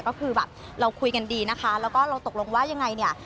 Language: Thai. ก็คือแบบเราคุยกันดีนะคะแล้วก็เราตกลงว่ายังไงเนี่ย